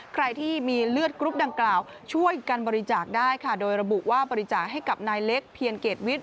ใครที่มีเลือดกรุ๊ปดังกล่าวช่วยกันบริจาคได้ค่ะโดยระบุว่าบริจาคให้กับนายเล็กเพียรเกรดวิทย